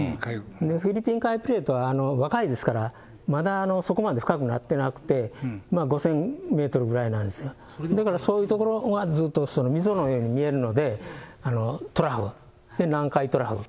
フィリピン海プレートは、若いですから、まだそこまで深くなってなくて、５０００メートルぐらいなんですが、だからそういう所がずっと溝のように見えるので、トラフで、南海トラフ。